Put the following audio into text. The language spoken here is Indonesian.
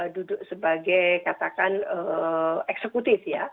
duduk sebagai katakan eksekutif ya